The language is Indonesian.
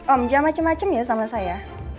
om dia macem macem ya sama saya